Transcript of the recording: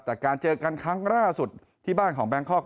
แต่การเจอกันครั้งล่าสุดที่บ้านของแบงคอก